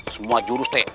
semua jurus teg